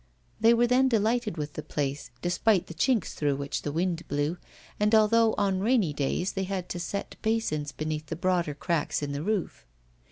They were then delighted with the place, despite the chinks through which the wind blew, and although on rainy days they had to set basins beneath the broader cracks in the roof.